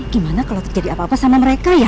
gimana kalau terjadi apa apa sama mereka ya